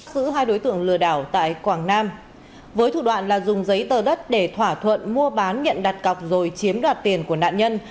các đối tượng đã dùng giấy tờ đất để thỏa thuận mua bán và nhận đặt cọc sau đó chiếm đoạt tiền của nạn nhân mà không thực hiện giao dịch như thỏa thuận